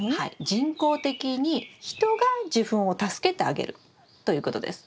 人工的に人が受粉を助けてあげるということです。